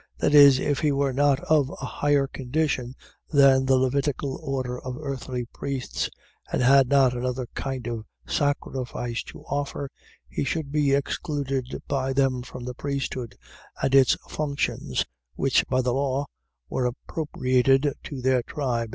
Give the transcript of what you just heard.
.That is, if he were not of a higher condition than the Levitical order of earthly priests, and had not another kind of sacrifice to offer, he should be excluded by them from the priesthood, and its functions, which by the law were appropriated to their tribe.